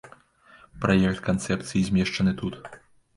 Праект канцэпцыі змешчаны тут.